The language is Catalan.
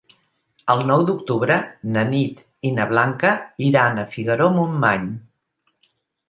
El nou d'octubre na Nit i na Blanca iran a Figaró-Montmany.